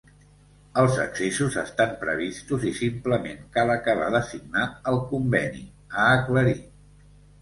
“Els accessos estan previstos i simplement cal acabar de signar el conveni”, ha aclarit.